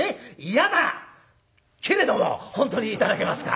嫌だけれども本当に頂けますか？」。